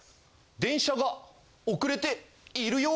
電車が遅れているよ。